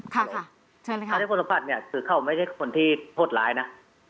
ถ้าเป็นคนสัมผัสเนี่ยคือเขาไม่ใช่คนที่โทษหลายนะ